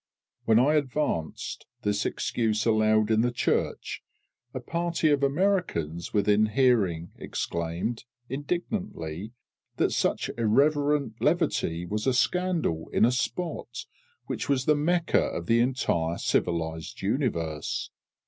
When I advanced this excuse aloud in the church, a party of Americans within hearing exclaimed, indignantly, that such irreverent levity was a scandal in a spot which was the Mecca of the entire civilised universe.